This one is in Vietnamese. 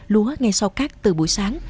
lúa ngay sau cắt từ buổi sáng